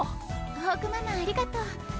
ホークママありがとう。